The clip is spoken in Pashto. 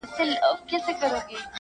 لار یې واخیسته د غره او د لاښونو،